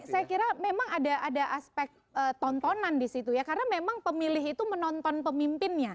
saya kira memang ada aspek tontonan di situ ya karena memang pemilih itu menonton pemimpinnya